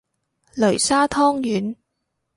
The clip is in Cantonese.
擂沙湯圓